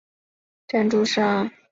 铃木汽车为本届赛事的赞助商。